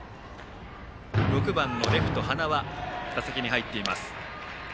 ６番のレフト、塙打席に入っています。